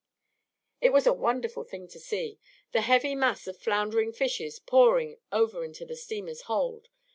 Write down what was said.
It was a wonderful thing to see, the heavy mass of floundering fishes pouring over into the steamer's hold.